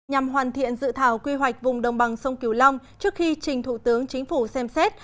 nhằm hoàn thiện dự thảo quy hoạch vùng đồng bằng sông kiều long trước khi trình thủ tướng chính phủ xem xét